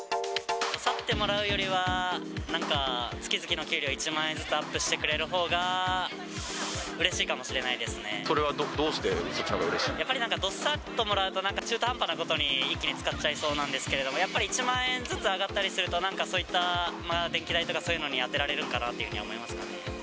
どさってもらうよりは、なんか、月々の給料１万円ずつアップしてくれるほうが、うれしいかもしれそれはどうして、そっちのほやっぱりなんか、どさってもらうと、なんか、中途半端なことに一気に使っちゃいそうなんですけれども、やっぱり１万円ずつ上がったりすると、そういった電気代とか、そういうのに充てられるかなっていうふうには思いますかね。